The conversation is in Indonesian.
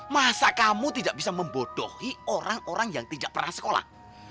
masa kamu tidak bisa membodohi orang orang yang tidak pernah sekolah